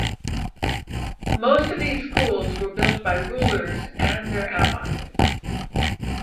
Most of these schools were built by rulers and their allies.